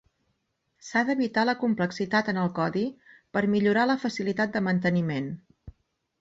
S'ha d'evitar la complexitat en el codi per millorar la facilitat de manteniment.